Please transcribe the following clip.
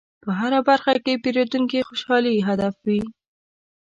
په هره برخه کې د پیرودونکي خوشحالي هدف وي.